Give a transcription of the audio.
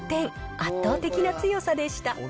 圧倒的な強さでした。